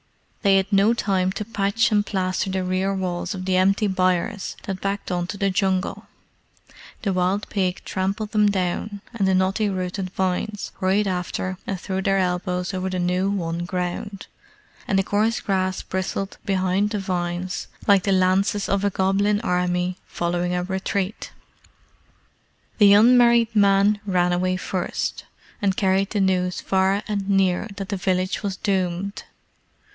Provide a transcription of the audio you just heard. They had no time to patch and plaster the rear walls of the empty byres that backed on to the Jungle; the wild pig trampled them down, and the knotty rooted vines hurried after and threw their elbows over the new won ground, and the coarse grass bristled behind the vines like the lances of a goblin army following a retreat. The unmarried men ran away first, and carried the news far and near that the village was doomed.